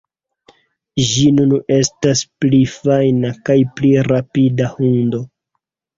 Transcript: Ĝi nun estas pli fajna kaj pli rapida hundo.